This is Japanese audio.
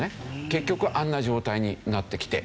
結局あんな状態になってきて。